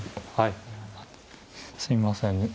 はいすいません